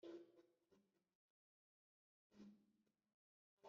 itanga raporo munama rusange